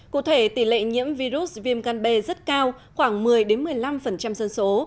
cụ thể tỷ lệ nhiễm virus viêm gan b rất cao khoảng một mươi một mươi năm dân số